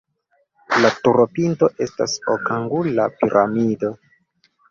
La turopinto estas okangula piramido.